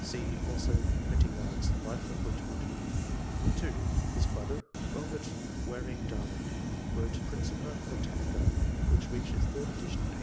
«oe also MeteyanVs "Life of Wedge wood "); (2) his brothor, Robert Waring Darwin, wrote " Prin cipia Botanica," which reached its third edition in 1810.